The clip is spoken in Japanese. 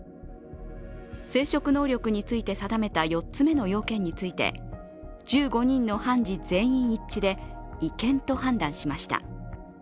生殖能力について定めた４つ目の要件について１５人の判事全員一致で違憲と判断しました。